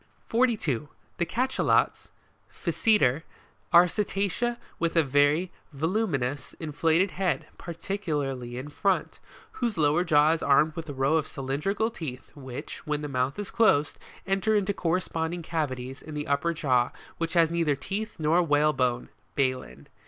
42. The CACHALOTS, Physeter, (Plate 6,^/7. 9.) are Cetacea with a very voluminous, inflated head, particularly in front, whose lower jaw is armed with a row of cylindrical teeth, which, when the mouth is closed, enter into corresponding cavities in the upper jaw which has neither teeth nor whale bone, (balen.)